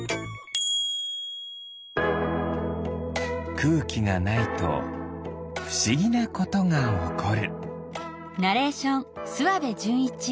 くうきがないとふしぎなことがおこる。